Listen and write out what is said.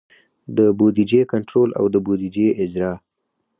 د بودیجې کنټرول او د بودیجې اجرا.